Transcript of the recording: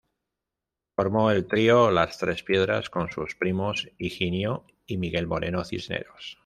Formó el trío Las Tres Piedras con sus primos Higinio y Miguel Moreno Cisneros.